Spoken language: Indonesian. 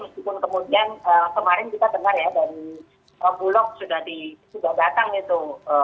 meskipun kemudian kemarin kita dengar ya dari bulog sudah datang itu